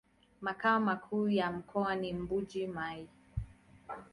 Makao makuu ya mkoa ni Mbuji-Mayi.